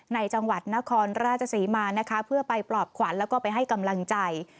จังหวัดนครราชศรีมานะคะเพื่อไปปลอบขวัญแล้วก็ไปให้กำลังใจ